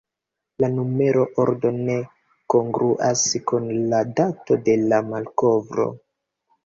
La numera ordo ne kongruas kun la dato de la malkovro.